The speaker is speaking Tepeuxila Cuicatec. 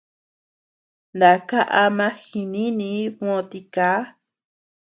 Naka ama jinínii bö tiká.